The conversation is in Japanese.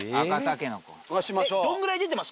どんぐらい出てます？